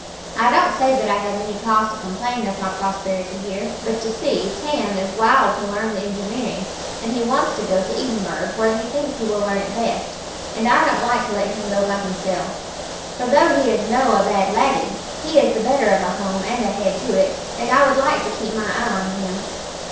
"I don't say that I have any cause to complain of my prosperity here; but, you see, Tam is wild to learn the engineering, and he wants to go to Edinburgh, where he thinks he will learn it best; and I don't like to let him go by himsel', for though he is no a bad laddie, he is the better of a home and a head to it, and I would like to keep my eye on him.